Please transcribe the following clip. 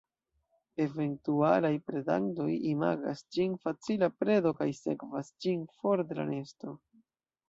Eventualaj predantoj imagas ĝin facila predo kaj sekvas ĝin for de la nesto.